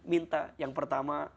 minta yang pertama